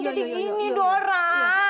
jadi gini dora